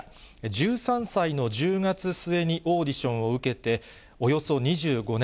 １３歳の１０月末にオーディションを受けて、およそ２５年。